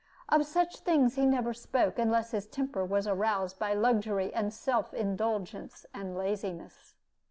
Of such things he never spoke, unless his temper was aroused by luxury and self indulgence and laziness.